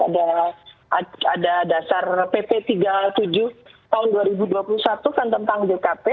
ada dasar pp tiga puluh tujuh tahun dua ribu dua puluh satu kan tentang jkp